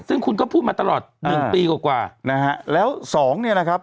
ซึ่งคุณก็พูดมาตลอดหนึ่งปีกว่ากว่านะฮะแล้วสองเนี่ยนะครับ